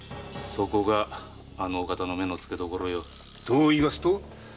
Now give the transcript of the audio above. そこがあのお方の目のつけどころよ。といいますと？